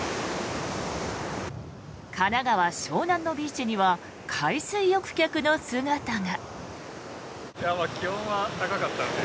神奈川・湘南のビーチには海水浴客の姿が。